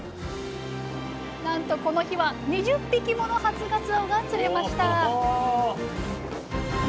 なんとこの日は２０匹もの初がつおが釣れました！